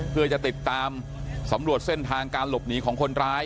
เพื่อจะติดตามสำรวจเส้นทางการหลบหนีของคนร้าย